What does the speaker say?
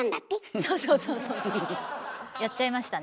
そうそうやっちゃいましたね。